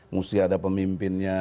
mesti ada pemimpinnya